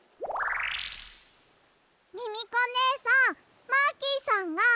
ミミコねえさんマーキーさんが。